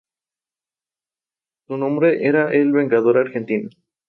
Courant le dio una base matemática firme.